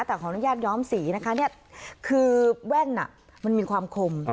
แต่ขออนุญาตย้อมสีนะคะนี่คือแว่นมันมีความคม